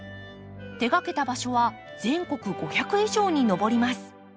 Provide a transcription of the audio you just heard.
手がけた場所は全国５００以上に上ります。